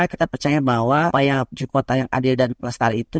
kita percaya bahwa ibu kota yang adil dan pelestari itu